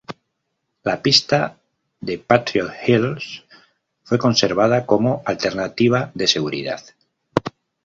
La pista de Patriot Hills fue conservada como alternativa de seguridad.